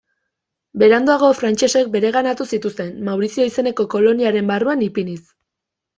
Beranduago frantsesek berenganatu zituzten, Maurizio izeneko koloniaren barruan ipiniz.